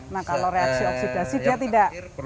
nah kalau reaksi oksidasi dia tidak